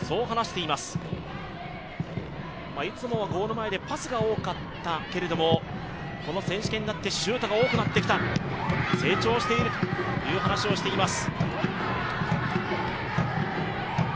いつもはゴール前でパスが多かったけれども、この選手権になってシュートが多くなってきた、成長しているという話をしています。